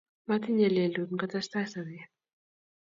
Matinye lelut ngotestai sobet